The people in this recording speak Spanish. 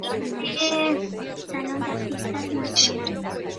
Salón de Artistas Nacionales.